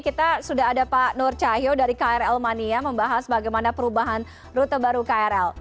kita sudah ada pak nur cahyo dari krl mania membahas bagaimana perubahan rute baru krl